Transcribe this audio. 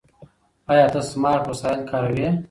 ایا ته سمارټ وسایل کاروې؟